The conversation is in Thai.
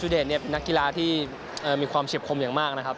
เดชเนี่ยเป็นนักกีฬาที่มีความเฉียบคมอย่างมากนะครับ